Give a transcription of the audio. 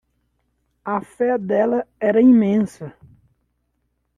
A fé dela era imensa.